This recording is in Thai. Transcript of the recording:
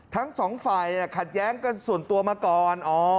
ทั้งสองฝ่ายขัดแย้งกันส่วนตัวมาก่อน